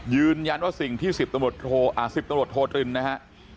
ยืนยันว่าสิ่งที่๑๐ตำรวจโทรินนะฮะ